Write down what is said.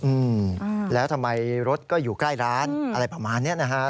อืมแล้วทำไมรถก็อยู่ใกล้ร้านอะไรประมาณเนี้ยนะฮะ